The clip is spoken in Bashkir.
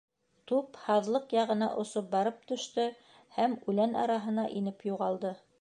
Туп һаҙлыҡ яғына осоп барып төштө, һәм үлән араһына инеп юғалды.